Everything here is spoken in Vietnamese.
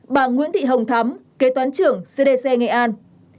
bà nguyễn thị hồng thắm kế toán trưởng cdc nghệ an